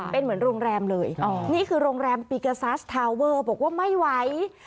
เป็นเหมือนโรงแรมเลยนี่คือโรงแรมปีกาซัสทาเวอร์บอกว่าไม่ไหว